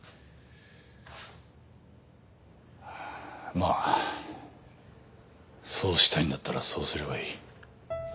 まぁそうしたいんだったらそうすればいい。